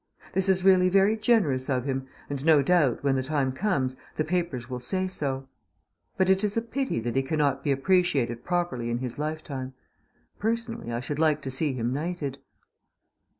This is really very generous of him, and no doubt, when the time comes, the papers will say so. But it is a pity that he cannot be appreciated properly in his lifetime. Personally I should like to see him knighted.